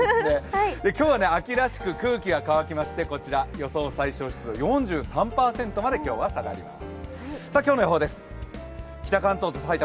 今日は秋らしく空気が乾きまして予想最小湿度、４３％まで今日は下がります。